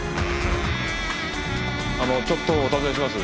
あのちょっとお尋ねします。